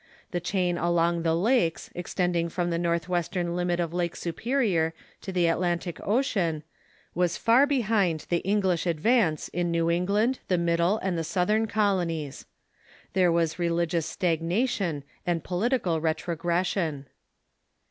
The chain along the Lakes, extend ing from the northwestern limit of Lake Superior to the At lantic Ocean, was far behind the English advance in New England, the middle, and the southern colonies. There was religious stagnation and political retrogression.